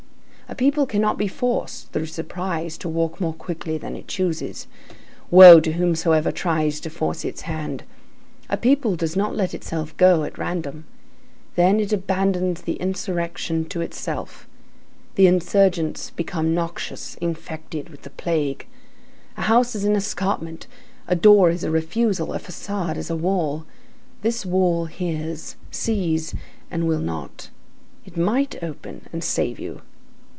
A people cannot be forced, through surprise, to walk more quickly than it chooses. Woe to whomsoever tries to force its hand! A people does not let itself go at random. Then it abandons the insurrection to itself. The insurgents become noxious, infected with the plague. A house is an escarpment, a door is a refusal, a façade is a wall. This wall hears, sees and will not. It might open and save you.